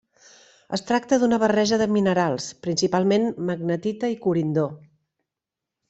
Es tracta d’una barreja de minerals, principalment magnetita i corindó.